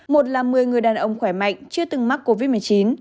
một là một mươi người đàn ông khỏe mạnh chưa từng mắc covid một mươi chín